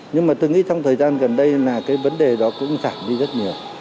nhưng mà tôi nghĩ trong thời gian gần đây là cái vấn đề đó cũng giảm đi rất nhiều